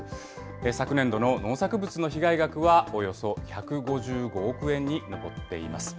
昨年度の農作物の被害額は、およそ１５５億円に上っています。